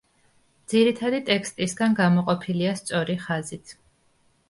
ძირითადი ტექსტისგან გამოყოფილია სწორი ხაზით.